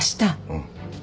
うん。